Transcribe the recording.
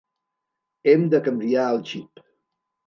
Hem de canviar el xip.